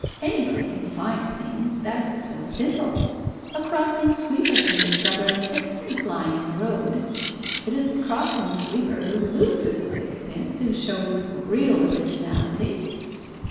Anybody can find a thing. That is so simple. A crossing sweeper can discover a sixpence lying in the road. It is the crossing sweeper who loses a sixpence who shows real originality."